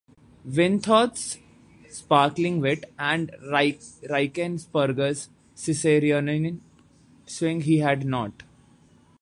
Windthorst's sparkling wit and Reichensperger's Ciceronian swing he had not.